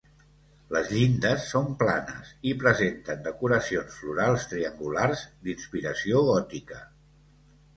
Les llindes són planes i presenten decoracions florals triangulars d'inspiració gòtica.